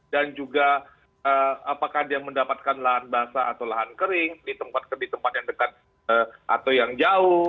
dan juga apakah dia mendapatkan lahan basah atau lahan kering di tempat tempat yang dekat atau yang jauh